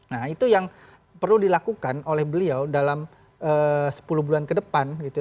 nah itu yang perlu dilakukan oleh beliau dalam sepuluh bulan ke depan gitu